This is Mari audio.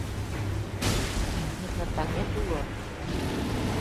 — Наверне, таҥет уло?